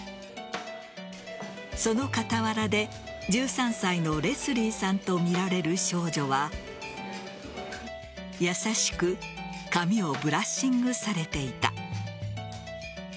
その傍らで、１３歳のレスリーさんとみられる少女は優しく髪をブラッシングされていた。